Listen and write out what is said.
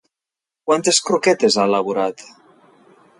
Quantes croquetes ha elaborat?